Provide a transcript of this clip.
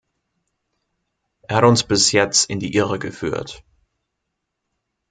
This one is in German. Er hat uns bis jetzt in die Irre geführt.